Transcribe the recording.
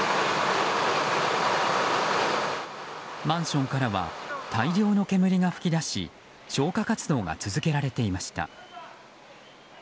マンションからは大量の煙が噴き出し消火活動が続けられていました。